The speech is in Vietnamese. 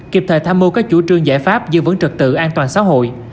kịp thời tham mưu các chủ trương giải pháp giữ vững trực tự an toàn xã hội